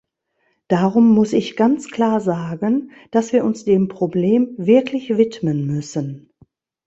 Darum muss ich ganz klar sagen, dass wir uns dem Problem wirklich widmen müssen.